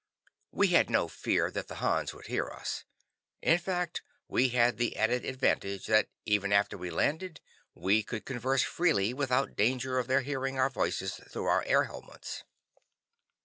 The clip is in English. We had no fear that the Hans would hear us. In fact, we had the added advantage that, even after we landed, we could converse freely without danger of their hearing our voices through our air helmets.